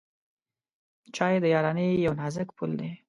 چای د یارانۍ یو نازک پُل دی.